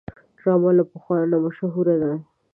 ډرامه له پخوا نه مشهوره ده